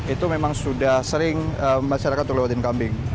itu memang sudah sering masyarakat ngelewatin kambing